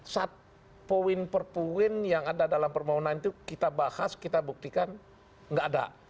satu poin per poin yang ada dalam permohonan itu kita bahas kita buktikan nggak ada